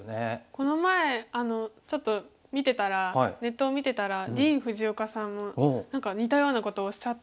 この前ちょっと見てたらネットを見てたらディーン・フジオカさんも何か似たようなことをおっしゃっていて。